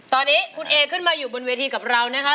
ตอนนี้คุณเอขึ้นมาอยู่บนเวทีกับเรานะคะ